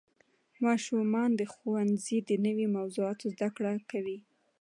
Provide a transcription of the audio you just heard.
ماشومان د ښوونځي د نوې موضوعاتو زده کړه کوي